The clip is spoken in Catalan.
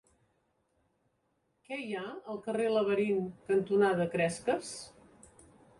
Què hi ha al carrer Laberint cantonada Cresques?